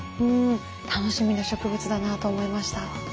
楽しみな植物だなと思いました。